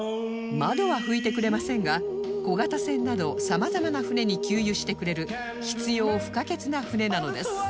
窓は拭いてくれませんが小型船など様々な船に給油してくれる必要不可欠な船なのです